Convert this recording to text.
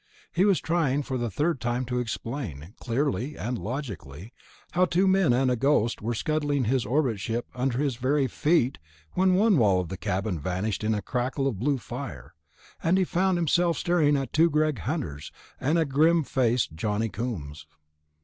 He was trying for the third time to explain, clearly and logically, how two men and a ghost were scuttling his orbit ship under his very feet when one wall of the cabin vanished in a crackle of blue fire, and he found himself staring at two Greg Hunters and a grim faced Johnny Coombs.